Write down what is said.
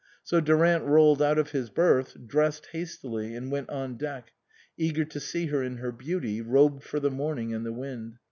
So Durant rolled out of his berth, dressed hastily, and went on deck, eager to see her in her beauty, robed for the morning and the wind.